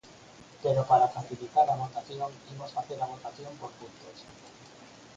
Pero para facilitar a votación imos facer a votación por puntos.